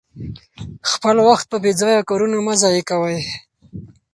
خپل وخت په بې ځایه کارونو مه ضایع کوئ.